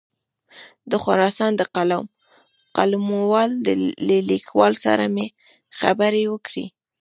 د خراسان د قلموال له لیکوال سره مې خبرې وکړې.